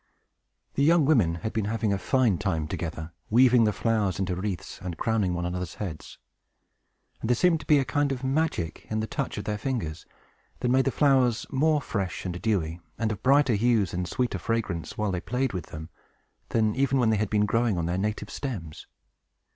The young women had been having a fine time together, weaving the flowers into wreaths, and crowning one another's heads. And there seemed to be a kind of magic in the touch of their fingers, that made the flowers more fresh and dewy, and of brighter hues, and sweeter fragrance, while they played with them, than even when they had been growing on their native stems.